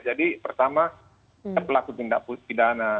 jadi pertama pelaku tindak pidana